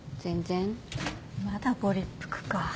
まだご立腹か。